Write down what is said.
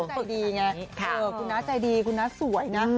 คุณน้าใจดีคุณน้าสวยนะ